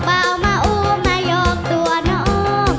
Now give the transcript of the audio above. เบ้ามาอุ้มมายอกตัวน้อง